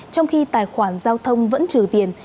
trong khi tài khoản giao thông vẫn trừ tiền